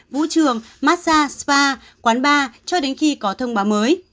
vũ trường massag spa quán bar cho đến khi có thông báo mới